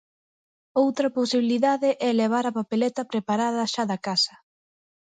Outra posibilidade é levar a papeleta preparada xa da casa.